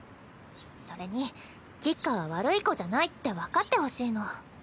それに橘花は悪い子じゃないって分かってほしいの。